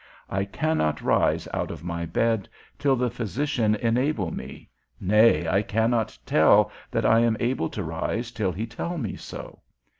I cannot rise out of my bed till the physician enable me, nay, I cannot tell that I am able to rise till he tell me so.